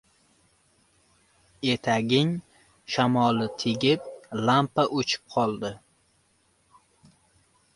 Etagining shamoli tegib lampa о‘chib qoldi.